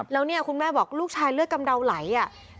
แล้วเนี่ยคุณแม่บอกลูกชายเลือดกำเดาไหลอ่ะ